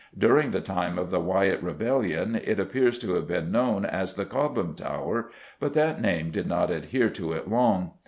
During the time of the Wyatt rebellion it appears to have been known as the Cobham Tower, but that name did not adhere to it long.